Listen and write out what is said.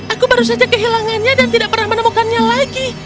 aku baru saja kehilangannya dan tidak pernah menemukannya lagi